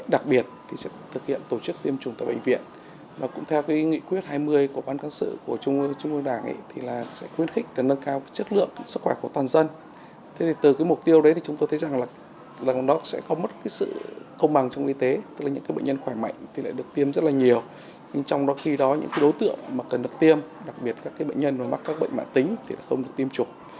đặc biệt các bệnh nhân mắc các bệnh mãn tính thì không được tiêm chủng